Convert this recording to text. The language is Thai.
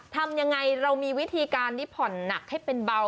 ทำยังไงเรามีวิธีการที่ผ่อนหนักให้เป็นเบา